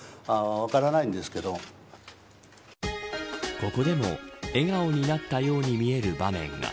ここでも笑顔になったように見える場面が。